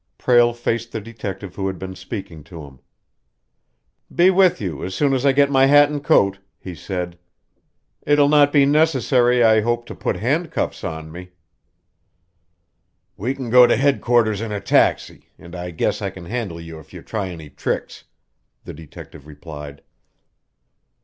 Prale faced the detective who had been speaking to him. "Be with you as soon as I get my hat and coat," he said. "It'll not be necessary, I hope, to put handcuffs on me." "We can go to headquarters in a taxi, and I guess I can handle you if you try any tricks," the detective replied.